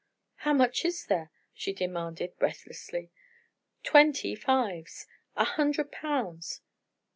"How much is there?" she demanded, breathlessly. "Twenty fives! A hundred pounds!"